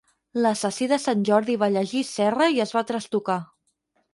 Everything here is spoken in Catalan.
L'assassí de Sant Jordi va llegir Serra i es va trastocar.